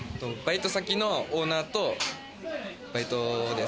バイト先のオーナーと、バイトです。